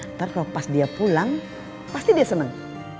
ntar kalo pas dia pulang pasti dia seneng